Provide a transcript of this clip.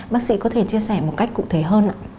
bác sĩ có thể chia sẻ một cách cụ thể hơn ạ